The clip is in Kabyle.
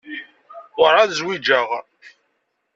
Werεad zwiǧeɣ.